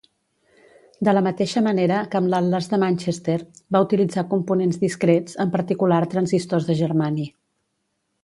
De la mateixa manera que amb l'Atlas de Manchester, va utilitzar components discrets, en particular transistors de germani.